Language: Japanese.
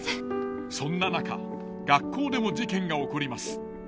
そんな中学校でも事件が起こります。